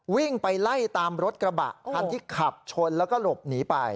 วิ่งไปไล่ตามรถกระบะคันที่ขับชนแล้วก็หลบหนีไป